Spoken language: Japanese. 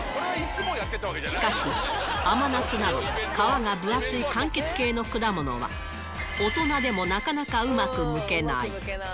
しかし、甘夏など皮が分厚いかんきつ系の果物は、大人でもなかなかうまく剥けない。